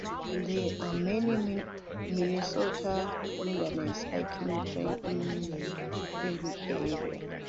There are many Minnesota wilderness hiking trails in the Ely area.